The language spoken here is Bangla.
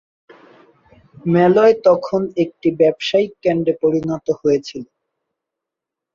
মেলয় তখন একটি ব্যবসায়িক কেন্দ্রে পরিণত হয়েছিল।